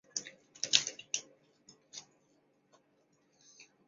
鲤城街道是中国福建省莆田市仙游县下辖的一个街道。